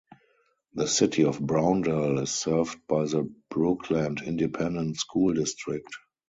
The City of Browndell is served by the Brookeland Independent School District.